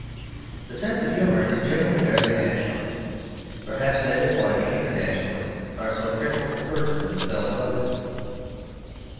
The sense of humour is generally very national; perhaps that is why the internationalists are so careful to purge themselves of it.